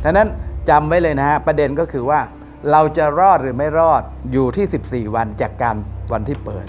เพราะฉะนั้นจำไว้เลยนะฮะประเด็นก็คือว่าเราจะรอดหรือไม่รอดอยู่ที่๑๔วันจากการวันที่เปิด